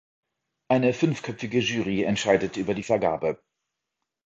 Eine fünfköpfige Jury entscheidet über die Vergabe.